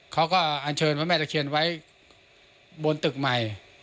เขาก็อาจเชิญท่านแม่ตะเคียนไว้บนตึกใหม่